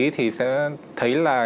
thì sẽ thấy là